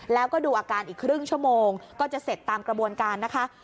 แล้วก็ดูอาการอีกครึ่งชั่วโมงก็จะเสร็จตามกระบวนการนะคะ